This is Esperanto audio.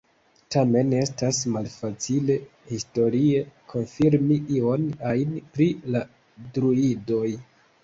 Tamen estas malfacile historie konfirmi ion ajn pri la Druidoj.